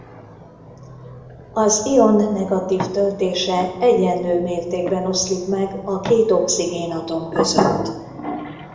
Az ion negatív töltése egyenlő mértékben oszlik meg a két oxigénatom között.